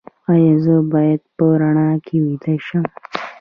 ایا زه باید په رڼا کې ویده شم؟